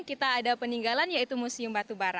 kita ada peninggalan yaitu museum batubara